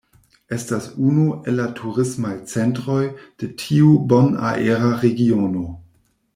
Estas unu el la turismaj centroj de tiu bonaera regiono.